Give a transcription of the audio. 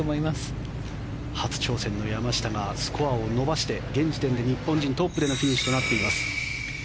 初挑戦の山下がスコアを伸ばして現時点で日本人トップでのフィニッシュとなっています。